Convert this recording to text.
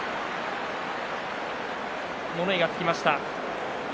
物言いがつきました。